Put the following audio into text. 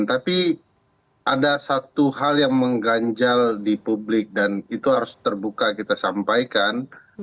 tapi ada satu hal yang mengganjal di publik dan itu harus terbuka kita sampaikan